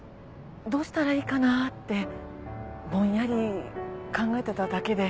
どうしたらいいかなぁってぼんやり考えてただけで。